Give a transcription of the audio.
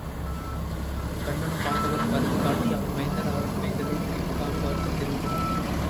கண்ணனும் பாண்டவரும் பரிவு காட்டி அவன் மைந்தர் கள் பிரிவுக்காக வருத்தம் தெரிவித்தனர்.